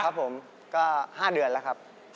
ครับผมก็๕เดือนแล้วครับ